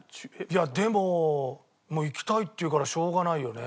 いやでももう行きたいって言うからしょうがないよね